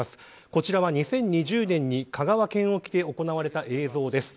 こちらは２０２０年に香川県沖で行われた映像です。